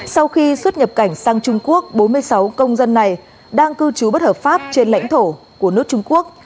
sau khi xuất nhập cảnh sang trung quốc bốn mươi sáu công dân này đang cư trú bất hợp pháp trên lãnh thổ của nước trung quốc